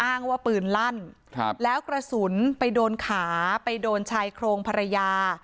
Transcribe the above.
อ้างว่าปืนลั่นแล้วกระสุนไปโดนขาไปโดนชายโครงภรรยา